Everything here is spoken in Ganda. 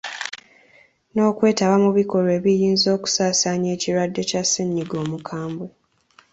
N’okwetaba mu bikolwa ebiyinza okusaasaanya ekirwadde kya ssennyiga omukambwe.